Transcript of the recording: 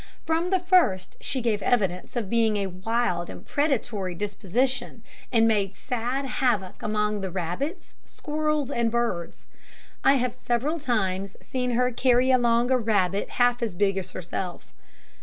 From the first she gave evidence of being of a wild and predatory disposition, and made sad havoc among the rabbits, squirrels, and birds. I have several times seen her carry along a rabbit half as big as herself.